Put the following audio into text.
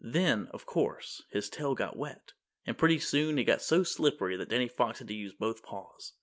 Then, of course, his tail got wet, and pretty soon it got so slippery that Danny Fox had to use both paws.